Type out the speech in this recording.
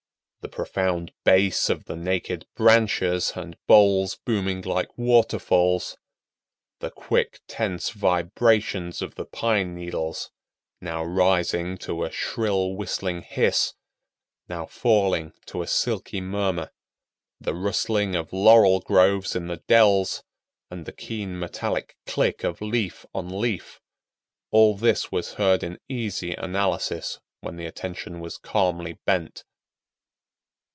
The profound bass of the naked branches and boles booming like waterfalls; the quick, tense vibrations of the pine needles, now rising to a shrill, whistling hiss, now falling to a silky murmur; the rustling of laurel groves in the dells, and the keen metallic click of leaf on leaf—all this was heard in easy analysis when the attention was calmly bent.